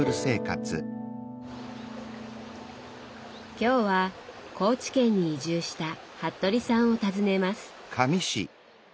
今日は高知県に移住した服部さんを訪ねます。